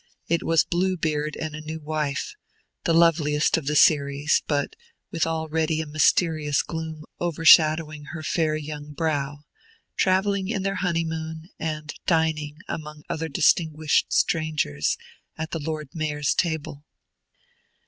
It was Bluebeard and a new wife (the loveliest of the series, but with already a mysterious gloom overshadowing her fair young brow) travelling in their honeymoon, and dining, among other distinguished strangers, at the Lord Mayor's table.